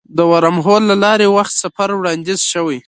د ورم هول له لارې وخت سفر وړاندیز شوی.